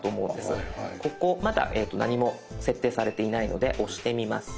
ここまだ何も設定されていないので押してみます。